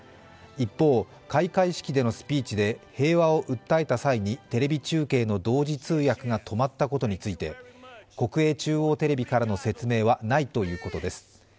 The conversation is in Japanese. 一方、開会式でのスピーチで平和を訴えた際に、テレビ中継の同時通訳が止まったことについて国営中央テレビからの説明はないということです。